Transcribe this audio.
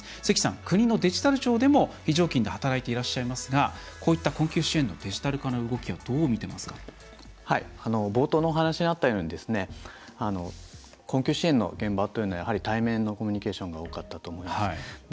関さん、国のデジタル庁でも非常勤で働いてらっしゃいますがこういった困窮支援のデジタル化の動きは冒頭のお話にあったように困窮支援の現場というのはやはり対面のコミュニケーションが多かったと思います。